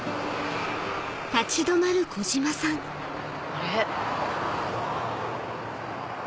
あれ？